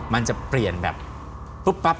มันจะเปลี่ยนแบบปุ๊บปั๊บ